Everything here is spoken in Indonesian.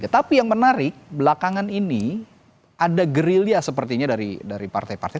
tapi yang menarik belakangan ini ada gerilya sepertinya dari partai partai